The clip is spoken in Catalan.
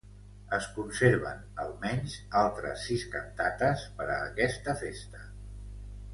Es conserven, almenys, altres sis cantates per a aquesta festa.